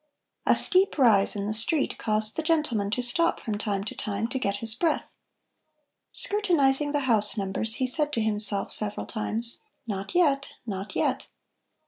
A steep rise in the street caused the gentleman to stop from time to time to get his breath. Scrutinizing the house numbers, he said to himself several times: "Not yet, not yet."